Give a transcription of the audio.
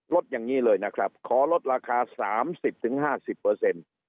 ลดอย่างงี้เลยนะครับขอลดราคาสามสิบถึงห้าสิบเปอร์เซ็นต์